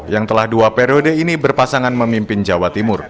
yang telah dua periode ini berpasangan memimpin jawa timur